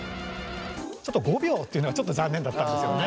ちょっと５秒っていうのがちょっと残念だったんですけどね。